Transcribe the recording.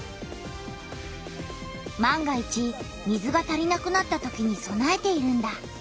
万が一水が足りなくなったときにそなえているんだ。